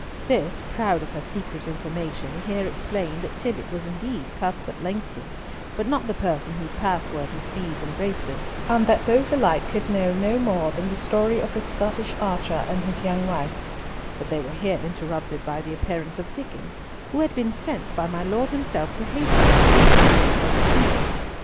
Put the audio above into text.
Cis, proud of her secret information, here explained that Tibbott was indeed Cuthbert Langston, but not the person whose password was "beads and bracelets," and that both alike could know no more than the story of the Scottish archer and his young wife, but they were here interrupted by the appearance of Diccon, who had been sent by my Lord himself to hasten them at the instance of the Queen.